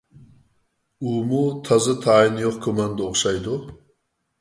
ئۇمۇ تازا تايىنى يوق كوماندا ئوخشايدۇ.